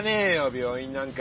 病院なんか。